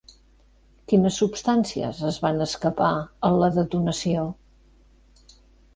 Quines substàncies es van escapar en la detonació?